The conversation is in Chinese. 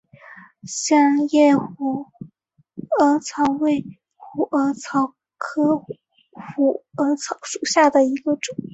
线叶虎耳草为虎耳草科虎耳草属下的一个种。